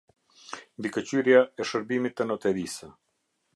Mbikëqyrja e shërbimit të noterisë.